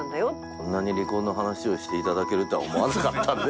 こんなに離婚の話をして頂けるとは思わなかったんで。